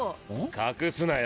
隠すなよ。